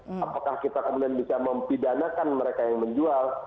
apakah kita kemudian bisa mempidanakan mereka yang menjual